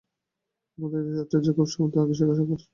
আমাদের দেশে আচার্যের খুব সম্মান, তাঁহাকে সাক্ষাৎ ঈশ্বর জ্ঞান করা হয়।